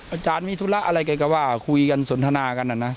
อาจารย์มีธุระอะไรแกก็ว่าคุยกันสนทนากันนะนะ